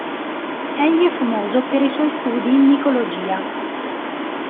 Egli è famoso per i suoi studi in micologia.